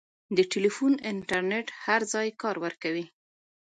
د ټیلیفون انټرنېټ هر ځای کار ورکوي.